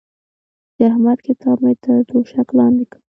د احمد کتاب مې تر توشک لاندې کړ.